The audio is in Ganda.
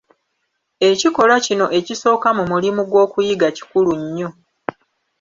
Ekikolwa kino ekisooka mu mulimu gw'okuyiga kikulu nnyo.